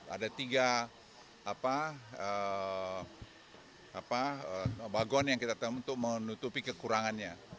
ada tiga bagon yang kita temu untuk menutupi kekurangannya